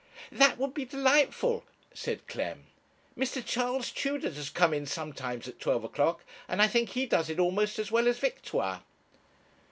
'That would be delightful,' said Clem. 'Mr. Charles Tudor does come in sometimes at twelve o'clock, and I think he does it almost as well as Victoire.'